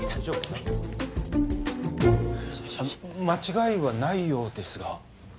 間違いはないようですが。